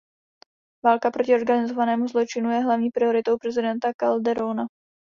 Válka proti organizovanému zločinu je hlavní prioritou prezidenta Calderóna.